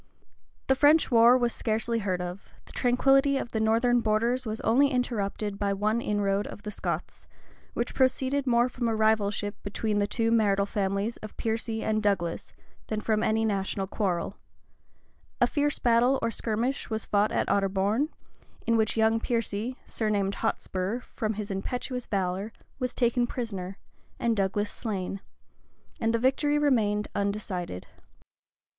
The French war was scarcely heard of; the tranquillity of the northern borders was only interrupted by one inroad of the Scots, which proceeded more from a rivalship between the two martial families of Piercy and Douglas, than from any national quarrel: a fierce battle or skirmish was fought at Otterborne,[] in which young Piercy, surnamed Hotspur, from his impetuous valor, was taken prisoner, and Douglas slain; and the victory remained undecided.